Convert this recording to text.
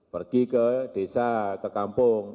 pergi ke desa ke kampung